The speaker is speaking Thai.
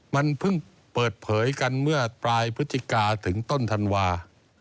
มันเพิ่งเปิดเผยกันเมื่อปลายพฤศจิกาถึงต้นธันวา